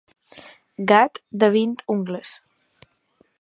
Gat de vint ungles.